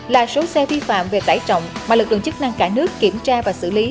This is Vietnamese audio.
hai mươi bốn tám trăm năm mươi ba là số xe vi phạm về tải trọng mà lực đường chức năng cả nước kiểm tra và xử lý